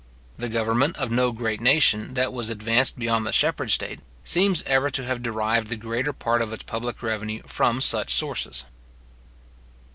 The government of no great nation, that was advanced beyond the shepherd state, seems ever to have derived the greater part of its public revenue from such sources.